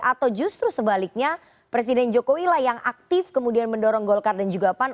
atau justru sebaliknya presiden jokowi lah yang aktif kemudian mendorong golkar dan juga pan